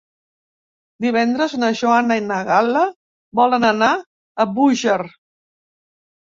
Divendres na Joana i na Gal·la volen anar a Búger.